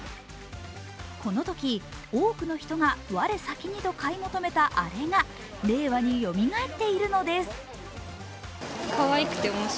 このとき多くの人が我先にと買い求めたあれが令和によみがえっているのです。